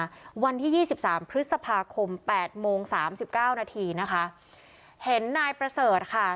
มาวันที่๒๓พฤษภาคม๘โมง๓๙นาทีนะคะเห็นนายประเสริฐค่ะ